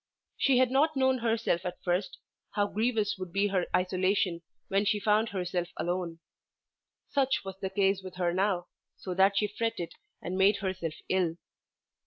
She had not known herself at first, how grievous would be her isolation when she found herself alone. Such was the case with her now, so that she fretted and made herself ill.